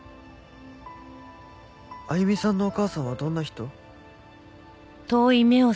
歩さんのお母さんはどんな人？